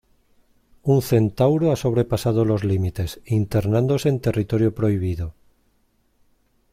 Un centauro ha sobrepasado los límites, internándose en territorio prohibido.